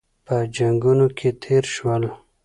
په جنګونو کې تېر شول.